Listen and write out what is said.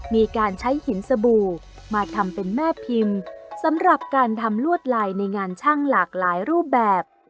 มีการใช้หินสบู่มาทำเป็นแม่พิมพ์สำหรับการทำลวดลายในงานช่างหลากหลายรูปแบบ